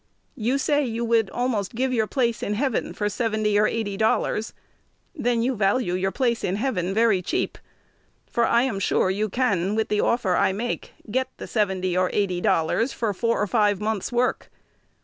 You say you would almost give your place in heaven for $70 or $80. Then you value your place in heaven very cheap; for I am sure you can, with the offer I make, get the seventy or eighty dollars for four or five months' work.